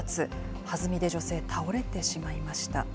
はずみで女性、倒れてしまいました。